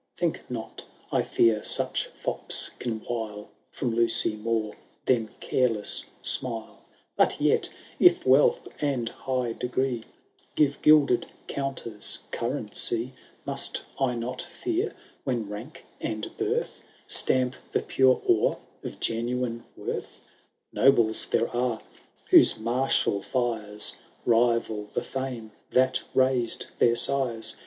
Think not I fear such fopi can wile From Lucy more than careleis smile ; But yet if wealth and high degree Give gilded counters currency, Must I not fear, when rank and birth Stamp the pure ore of genuine worth ? Noblef there are, whose martial fires Bival the &me that raised their sires.